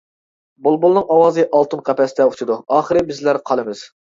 بۇلبۇلنىڭ ئاۋازى ئالتۇن قەپەستە، ئۇچىدۇ. ئاخىرى بىزلەر قالىمىز.